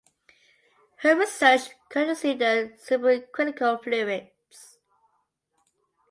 Her research considered supercritical fluids.